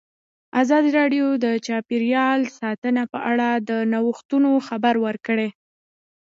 ازادي راډیو د چاپیریال ساتنه په اړه د نوښتونو خبر ورکړی.